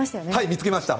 見つけました。